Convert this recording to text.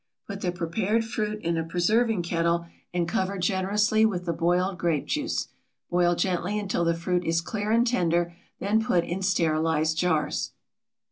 Put the prepared fruit in a preserving kettle and cover generously with the boiled grape juice. Boil gently until the fruit is clear and tender, then put in sterilized jars.